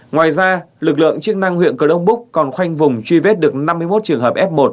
ngoài ra lực lượng chức năng huyện krongpuk còn khoanh vùng truy vết được năm mươi một trường hợp f một